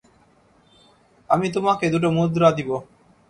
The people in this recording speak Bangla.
আমি তোমাকে দুটো মুদ্রা দিবো।